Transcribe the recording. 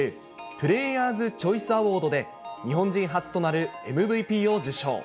プレーヤーズ・チョイス・アワードで、日本人初となるＭＶＰを受賞。